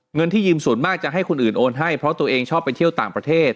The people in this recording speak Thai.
เงินที่ยืมส่วนมากจะให้คนอื่นโอนให้เพราะตัวเองชอบไปเที่ยวต่างประเทศ